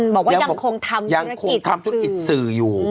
บอกว่ายังคงทำธุรกิจสื่อ